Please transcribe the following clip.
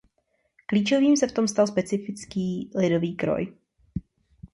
Klíčovým se v tom stal specifický lidový kroj.